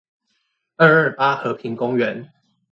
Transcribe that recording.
二二八和平公園